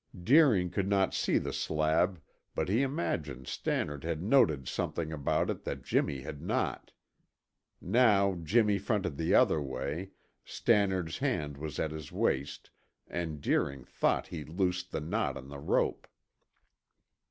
Deering could not see the slab, but he imagined Stannard had noted something about it that Jimmy had not. Now Jimmy fronted the other way, Stannard's hand was at his waist and Deering thought he loosed the knot on the rope.